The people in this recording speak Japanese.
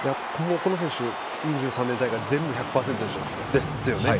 この選手は２０２３年大会全部１００％ですよね。